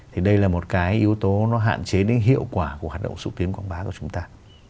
thì đây là một cái yếu tố nó hạn chế đến hiệu quả của hoạt động xúc tiến quảng bá của chúng ta